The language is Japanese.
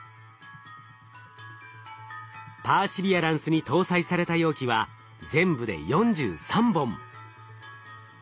パーシビアランスに搭載された容器は全部で４３本。